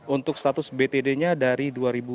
untuk status btd nya dari dua ribu sembilan belas